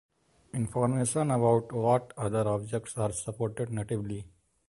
Information about what other objects are supported natively.